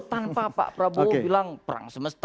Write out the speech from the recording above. tanpa pak prabowo bilang perang semesta